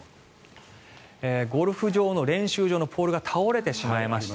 ゴルフ場の練習場のポールが倒れてしまいました。